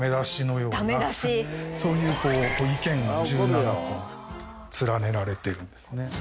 そういうこう意見が１７個連ねられてるんですね。